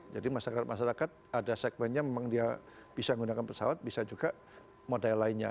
jadi masyarakat masyarakat ada segmennya memang dia bisa menggunakan pesawat bisa juga model lainnya